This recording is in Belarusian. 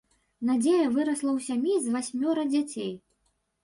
Надзея вырасла ў сям'і з васьмёра дзяцей.